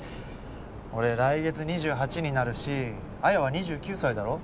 俺来月２８になるし彩は２９歳だろ？